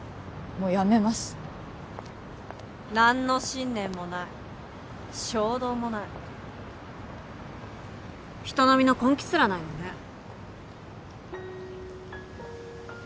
もう辞めます何の信念もない衝動もない人並みの根気すらないのね